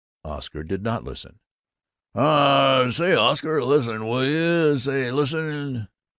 Oscar did not listen. "Aw, say, Oscar, listen, will yuh? Say, lis sen!"